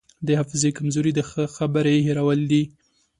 د حافظې کمزوري د خبرې هېرول دي.